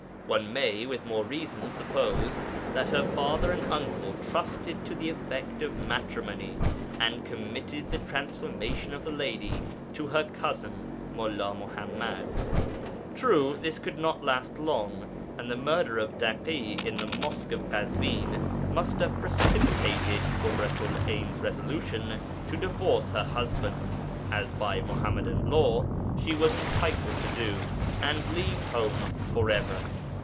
One may, with more reason, suppose that her father and uncle trusted to the effect of matrimony, and committed the transformation of the lady to her cousin Mullā Muḥammad. True, this could not last long, and the murder of Taḳi in the mosque of Kazwin must have precipitated Ḳurratu'l 'Ayn's resolution to divorce her husband (as by Muḥammadan law she was entitled to do) and leave home for ever.